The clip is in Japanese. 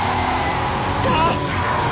あっ！